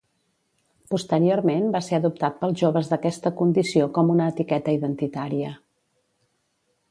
Posteriorment va ser adoptat pels joves d'aquesta condició com una etiqueta identitària.